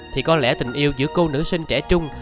thì có lẽ tình yêu giữa cô nữ sinh trẻ trung